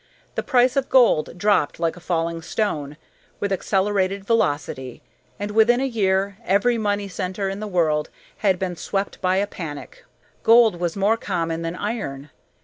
The price of gold dropped like a falling stone, with accelerated velocity, and within a year every money centre in the world had been swept by a panic. Gold was more common than iron.